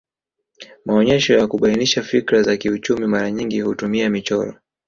Maonyesho ya kubainisha fikira za kiuchumi mara nyingi hutumia michoro